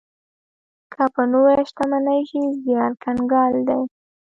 که په نوره شتمنۍ شي، زيار کنګال دی.